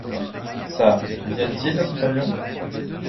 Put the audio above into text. Çà, viennent-ils, nos compagnons ?